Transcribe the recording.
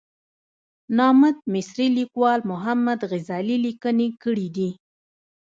نامت مصري لیکوال محمد غزالي لیکنې کړې دي.